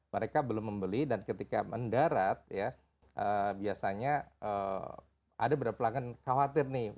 mereka belum membeli dan ketika mendarat ya biasanya ada beberapa pelanggan khawatir nih